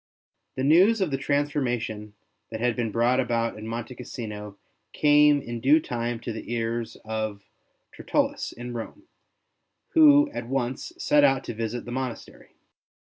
BENEDICT The news of the transformation that had been brought about at Monte Cassino came in due time to the ears of Tertullus in Rome, who at once set out to visit the monastery.